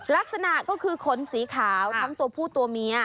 ลักษณะก็คือขนสีขาวทั้งตัวผู้ตัวเมีย